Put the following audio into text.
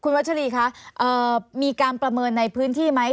วัชรีคะมีการประเมินในพื้นที่ไหม